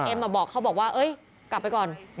เอ็มบอกเขาว่ากลับไปก่อน